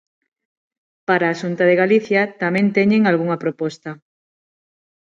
Para a Xunta de Galicia tamén teñen algunha proposta.